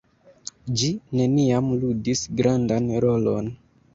Ĝi neniam ludis grandan rolon.